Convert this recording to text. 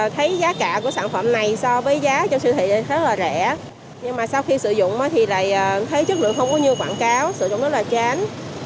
thì mình thấy chất lượng không có như quảng cáo sử dụng rất là chán